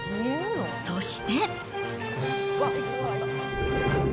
そして。